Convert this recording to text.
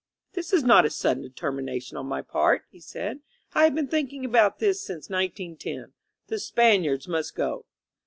"This is not a sudden determination on my part," he said; ^'I have been thinking about this since 1910. The Spaniards must go."